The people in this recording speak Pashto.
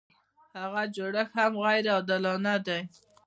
هغه جوړښت هم غیر عادلانه دی.